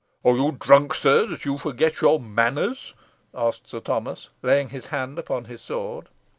"Are you drunk, sir, that you forget your manners?" asked Sir Thomas, laying his hand upon his sword.